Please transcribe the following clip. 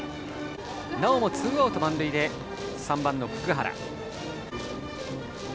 なおもツーアウト満塁で３番の福原。